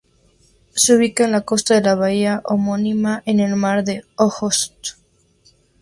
Se ubica en la costa de la bahía homónima, en el mar de Ojotsk.